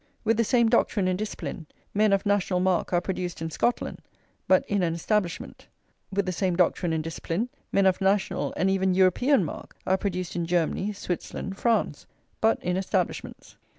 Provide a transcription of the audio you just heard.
With the same doctrine and discipline, men of national mark are produced in Scotland; but in an Establishment. With the same doctrine and discipline, men of national and even European mark are produced in Germany, Switzerland, France; but in Establishments.